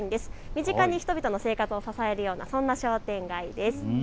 身近に、人々の生活を支えるようなそんな商店街です。